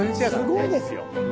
すごいですよ。